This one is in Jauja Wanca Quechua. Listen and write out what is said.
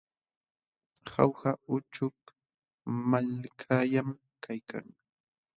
Jauja uchuk malkallam kaykan.